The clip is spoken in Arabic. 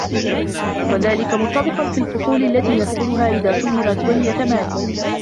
وَذَلِكَ مُتَّضِحٌ فِي الْفُصُولِ الَّتِي نَذْكُرُهَا إذَا سُبِرَتْ وَهِيَ ثَمَانِيَةٌ